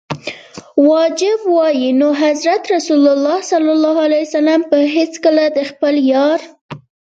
واجب وای نو حضرت رسول ص به هیڅکله د خپل یار.